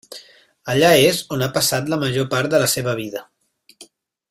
Allà és on ha passat la major part de la seva vida.